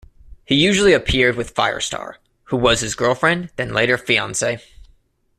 He usually appeared with Firestar, who was his girlfriend then later fiancee.